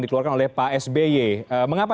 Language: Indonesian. dikeluarkan oleh pak sby mengapa